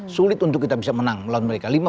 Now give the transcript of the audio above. sulit untuk kita bisa menang melawan mereka